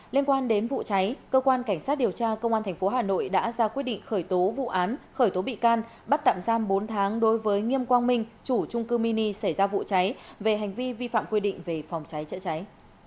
liên quan đến vụ cháy cơ quan cảnh sát điều tra công an tp hà nội đã ra quyết định khởi tố vụ án khởi tố bị can bắt tạm giam bốn tháng đối với nghiêm quang minh chủ trung cư mini xảy ra vụ cháy về hành vi vi phạm quy định về phòng cháy chữa cháy